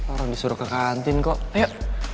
orang disuruh ke kantin kok yuk